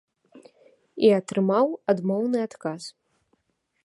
І атрымаў адмоўны адказ.